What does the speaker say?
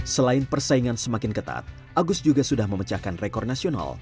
selain persaingan semakin ketat agus juga sudah memecahkan rekor nasional